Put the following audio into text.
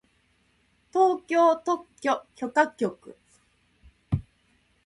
東京特許許可局